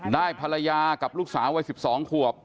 ได้ภรรยากับลูกสาววัย๑๒ขวบ